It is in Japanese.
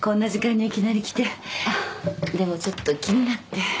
でもちょっと気になって。